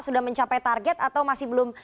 sudah mencapai target atau masih belum